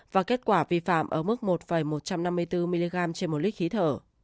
và kết quả vi phạm ở mức một một trăm năm mươi bốn mg trên một lít khí thở